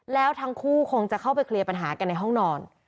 แล้วทั้งคู่คงจะเข้าไปเคลียร์ปัญหากันในห้องนอน